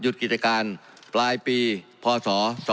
หยุดกิจการปลายปีพศ๒๐๕๙